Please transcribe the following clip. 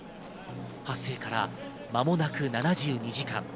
発生から間もなく７２時間。